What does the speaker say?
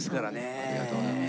ありがとうございます。